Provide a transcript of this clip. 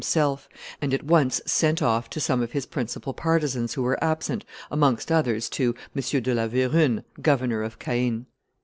himself, and at once sent off to some of his principal partisans who were absent, amongst others to M. de la Verune, governor of Caen.